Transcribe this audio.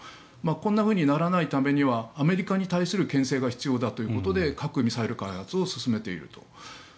こんなふうにならないためにはアメリカに対するけん制が必要だということで核・ミサイル開発を進めていると。